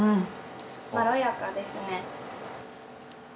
まろやかですね。